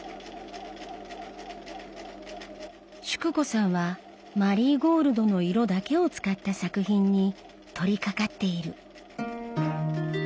淑子さんはマリーゴールドの色だけを使った作品に取りかかっている。